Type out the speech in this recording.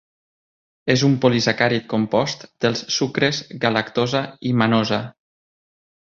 És un polisacàrid compost dels sucres galactosa i manosa.